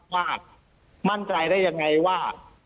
มั่นใจได้ยังไงว่า